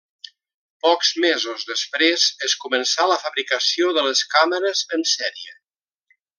Pocs mesos després es començà la fabricació de les càmeres en sèrie.